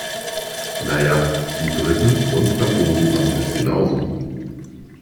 Na ja, die Briten und Franzosen machen es genau so.